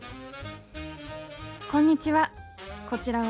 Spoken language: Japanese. こんにちは。